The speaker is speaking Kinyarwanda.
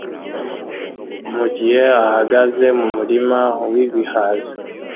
mugihe ahagaze mumurima wibihaza